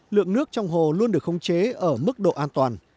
lượng nước trong hồ luôn được không chế ở mức độ an toàn